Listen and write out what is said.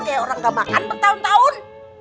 kayak orang gak makan bertahun tahun